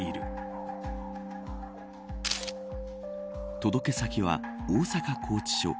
届け先は、大阪拘置所。